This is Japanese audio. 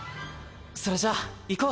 それじゃ行こう！